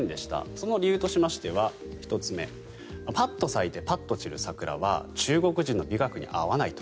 その理由としましては、１つ目パッと咲いてパッと散る桜は中国人の美学に合わないと。